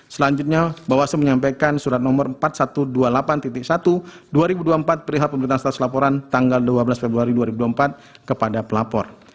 selanjutnya bawaslu menyampaikan surat nomor empat ribu satu ratus dua puluh delapan satu dua ribu dua puluh empat perihal pemerintah atas laporan tanggal dua belas februari dua ribu dua puluh empat kepada pelapor